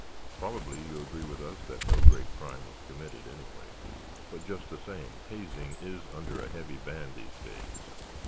"Probably you agree with us that no great crime was committed, anyway. But, just the same, hazing is under a heavy ban these days.